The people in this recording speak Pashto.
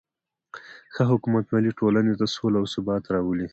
ښه حکومتولي ټولنې ته سوله او ثبات راولي.